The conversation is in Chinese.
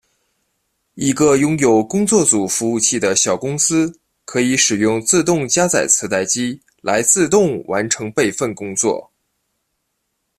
一个拥有工作组服务器的小公司可以使用自动加载磁带机来自动完成备份工作。